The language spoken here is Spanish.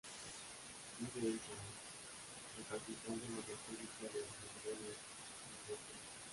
Vive en Saransk, la capital de la República de Mordovia, en Rusia.